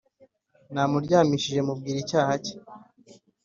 namuryamishije mubwira icyaha cye,